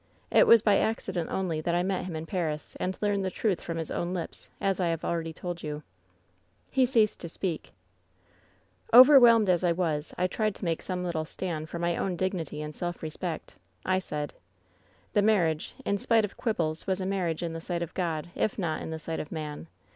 It was by accident only that I 194 WHEN SHADOWS DIE met him in Paris, and learned the truth from his own lips, as I hare already told you/ "He ceased to spes^ "Overwhelmed as I was I tried to make some little stand for my own dignity and self respect. I said :" *The marriage — in spite of quibbles — ^was a mar riage in the sight of Gk)d, if not in the sight of man.